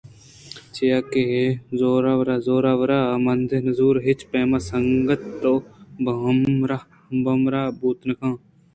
چیاکہ زورا مند ءُ نزور ہچ پیم سنگت ءُ ہمبراہ بوت نہ کناں